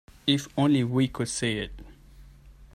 If only we could see it.